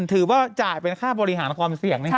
ถือว่าจ่ายเป็นค่าบริหารความเสี่ยง